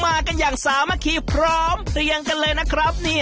มากันอย่างสามัคคีพร้อมเพลียงกันเลยนะครับนี่